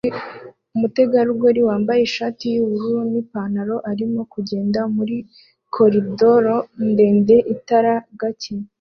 Umutegarugori wambaye ishati yubururu nipantaro arimo kugenda muri koridoro ndende itara gake